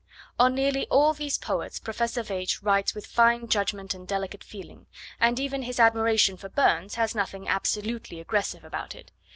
On nearly all these poets Professor Veitch writes with fine judgment and delicate feeling, and even his admiration for Burns has nothing absolutely aggressive about it.